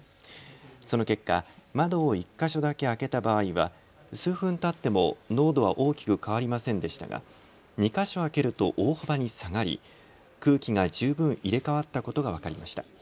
その結果、窓を１か所だけ開けた場合は数分たっても濃度は大きく変わりませんでしたが２か所開けると大幅に下がり、空気が十分入れ代わったことが分かりました。